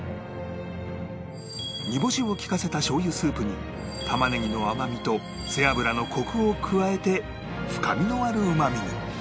煮干しをきかせたしょう油スープに玉ねぎの甘みと背脂のコクを加えて深みのあるうまみに